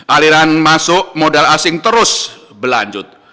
aliran masuk modal asing terus berlanjut